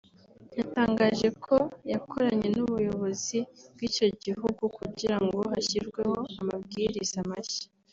yatangaje ko yakoranye n’ubuyobozi bw’icyo gihugu kugira ngo hashyirweho amabwiriza mashya